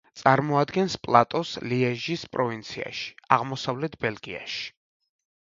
წარმოადგენს პლატოს ლიეჟის პროვინციაში, აღმოსავლეთ ბელგიაში.